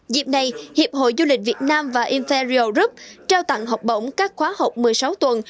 dịp này hiệp hội du lịch việt nam và imferial group trao tặng học bổng các khóa học một mươi sáu tuần